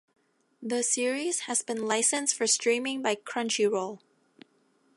The series has been licensed for streaming by Crunchyroll.